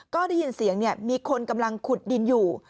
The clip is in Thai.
ก็ได้ยินเสียงมีคนกำลังขุดดินอยู่